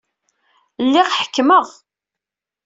Lliɣ ḥekmeɣ.